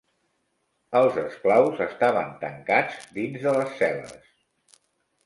Els esclaus estaven tancats dins de les cel·les.